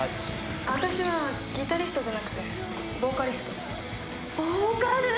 私はギタリストじゃなくてボーカリストボーカル？